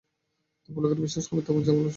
তারপর লোকের বিশ্বাস হবে, তারপর যা বলবে শুনবে।